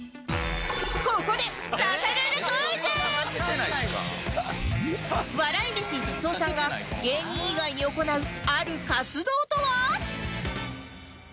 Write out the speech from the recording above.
ここで笑い飯哲夫さんが芸人以外に行うある活動とは？